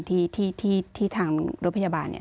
ที่ทางรถพยาบาลเนี่ย